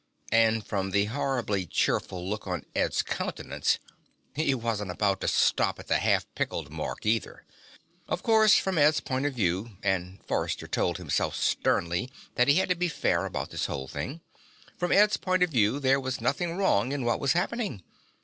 And from the horribly cheerful look on Ed's countenance, he wasn't about to stop at the half pickled mark, either. Of course, from Ed's point of view and Forrester told himself sternly that he had to be fair about this whole thing from Ed's point of view there was nothing wrong in what was happening.